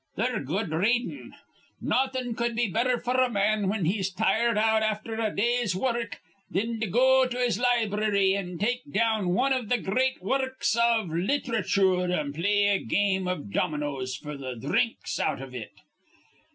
They're good readin'. Nawthin' cud be better f'r a man whin he's tired out afther a day's wurruk thin to go to his library an' take down wan iv th' gr reat wurruks iv lithratchoor an' play a game iv dominos f'r th' dhrinks out iv it.